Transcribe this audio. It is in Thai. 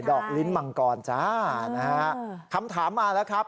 อกลิ้นมังกรจ้านะฮะคำถามมาแล้วครับ